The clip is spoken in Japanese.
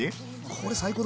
これ最高だね。